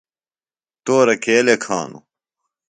تورہ کے لیکھانوۡ؟